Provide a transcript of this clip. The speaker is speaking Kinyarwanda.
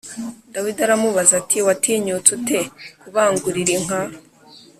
Dawidi aramubaza ati watinyutse ute kubangurira inka